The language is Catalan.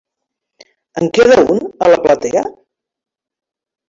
En queda un a la platea?